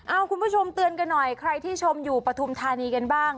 เอาคุณผู้ชมเตือนกันหน่อยใครที่ชมอยู่ปฐุมธานีกันบ้าง